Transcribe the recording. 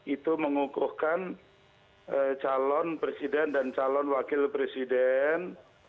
itu mengukuhkan calon presiden dan calon wakil presiden